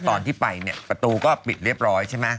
ตอนที่ไปเนี่ยประตูก็ปิดเรียบร้อยใช่ไหม